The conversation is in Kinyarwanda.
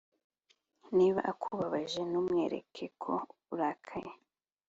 niba akubabaje ntumwereke ko urakaye